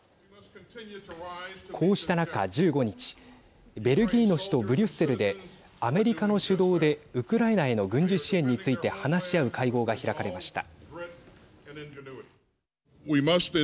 こうした中、１５日ベルギーの首都ブリュッセルでアメリカの主導でウクライナへの軍事支援について話し合う会合が開かれました。